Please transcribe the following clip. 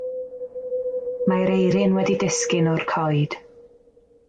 Mae'r eirin wedi disgyn o'r coed.